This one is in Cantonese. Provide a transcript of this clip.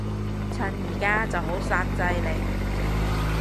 趁而家就好煞掣嘞